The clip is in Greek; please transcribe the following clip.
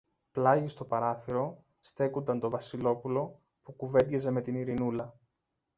Πλάγι στο παράθυρο στέκουνταν το Βασιλόπουλο που κουβέντιαζε με την Ειρηνούλα